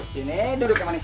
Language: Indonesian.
sini duduk ya manis